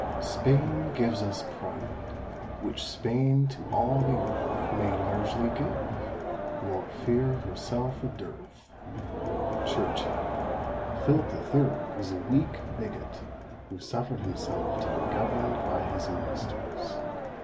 "Spain gives us pride which Spain to all the earth May largely give, nor fear herself a dearth!" Churchill. Philip the Third was a weak bigot, who suffered himself to be governed by his ministers.